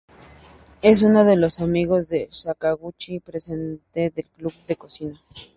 Es uno de los amigos de Sakaguchi, presidente del club de cocina.